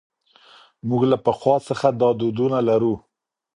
موږ له پخوا څخه دا دودونه لرو.